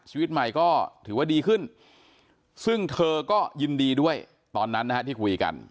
ชีวิตใหม่ก็ถือว่าดีขึ้นซึ่งเธอก็ยินดีด้วยตอนนั้นนะฮะที่คุยกัน